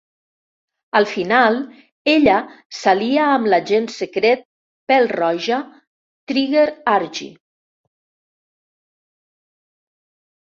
Al final, ella s'alia amb l'agent secret pèl-roja Trigger Argee.